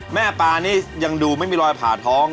ปลานี่ยังดูไม่มีรอยผ่าท้อง